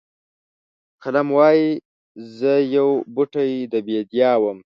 قلم وایي زه یو بوټی د بیدیا وم.